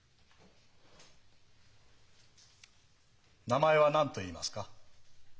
名前は何といいますか？